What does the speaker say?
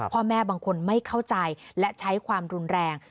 เพราะแม่บางคนไม่เข้าใจและใช้ความรุนแรง